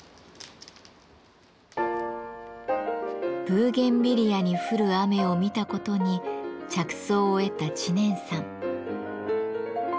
ブーゲンビリアに降る雨を見たことに着想を得た知念さん。